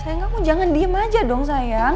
sayang kamu jangan diem aja dong sayang